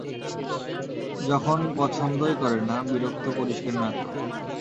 যখন পছন্দই করে না, বিরক্ত করিস কেন এত?